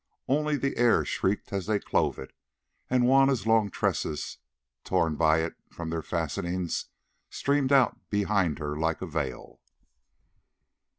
Only the air shrieked as they clove it, and Juanna's long tresses, torn by it from their fastenings, streamed out behind her like a veil.